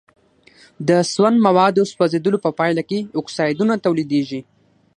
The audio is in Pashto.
د سون موادو سوځیدلو په پایله کې اکسایدونه تولیدیږي.